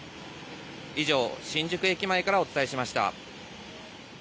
以上、新宿駅前からお伝えしました。